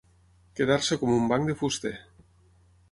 Quedar-se com un banc de fuster.